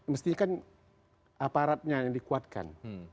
mestinya kan aparatnya yang dikuatkan